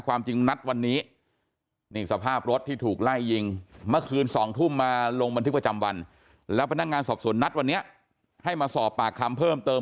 ความจริงนัดวันนี้นี่สภาพรถที่ถูกไล่ยิงเมื่อคืน๒ทุ่มมาลงบันทึกประจำวันแล้วพนักงานสอบสวนนัดวันนี้ให้มาสอบปากคำเพิ่มเติม